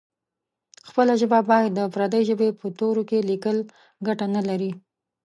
خپله ژبه باید د پردۍ ژبې په تورو کې لیکل ګټه نه لري.